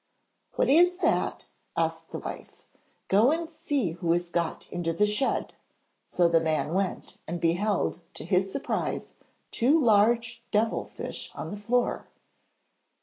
'What is that?' asked the wife. 'Go and see who has got into the shed.' So the man went, and beheld, to his surprise, two large devil fish on the floor.